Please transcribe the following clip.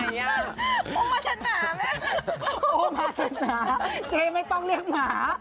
ก้าวโกงไว้ไกไม่ต้องเรียกหมา